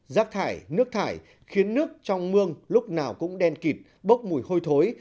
rác thải nước thải khiến nước trong mương lúc nào cũng đen kịp bốc mùi hôi thối